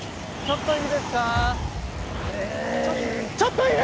⁉ちょっといいですか。